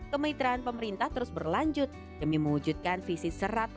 kementerian pemerintah terus berlanjut demi mewujudkan visi seratus seratus